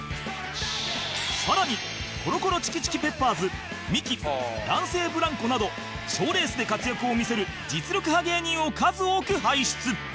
更にコロコロチキチキペッパーズミキ男性ブランコなど賞レースで活躍を見せる実力派芸人を数多く輩出